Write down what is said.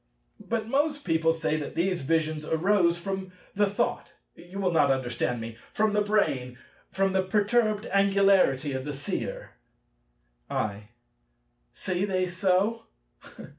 But most people say that these visions arose from the thought—you will not understand me—from the brain; from the perturbed angularity of the Seer. I. Say they so?